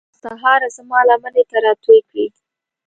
تر سهاره زما لمنې ته راتوی کړئ